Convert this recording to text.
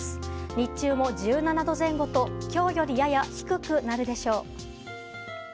日中も１７度前後と今日よりやや低くなるでしょう。